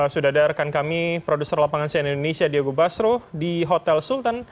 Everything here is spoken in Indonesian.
sudah ada rekan kami produser lapangan sian indonesia diego basro di hotel sultan